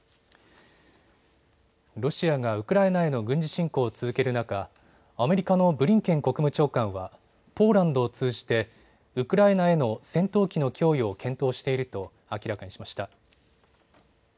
ロシアがウクライナへの軍事侵攻を続ける中、アメリカのブリンケン国務長官はポーランドを通じてウクライナへの戦闘機の供与を検討していると明らかにしました。